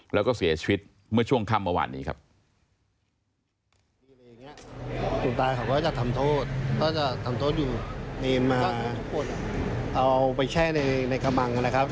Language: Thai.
แล้วก็เสียชีวิตเมื่อช่วงค่ำเมื่อวานนี้ครับ